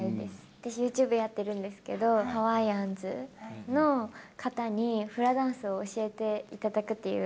私、ユーチューブやってるんですけど、ハワイアンズの方にフラダンスを教えていただくっていう。